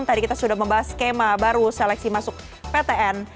tadi kita sudah membahas skema baru seleksi masuk ptn